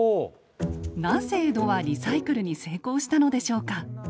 なぜ江戸はリサイクルに成功したのでしょうか？